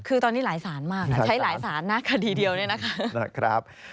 คือตอนนี้หลายศาลมากนะใช้หลายสารนะคดีเดียวเนี่ยนะคะ